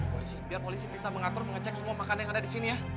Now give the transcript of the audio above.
polisi biar polisi bisa mengatur mengecek semua makanan yang ada di sini ya